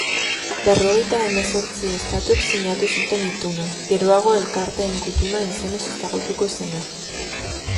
Berrogeita hamazortzi estatuk sinatu zuten Ituna, geroago Elkarteen Gutuna izenez ezagutuko zena.